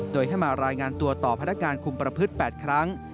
โดยให้มารายงานตัวต่อพนักงานคุมประพฤติ๘ครั้ง